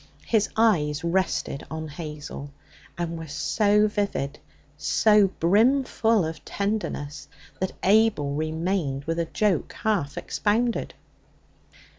His eyes rested on Hazel, and were so vivid, so brimful of tenderness, that Abel remained with a joke half expounded.